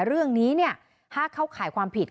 เรื่องนี้ถ้าเข้าข่ายความผิด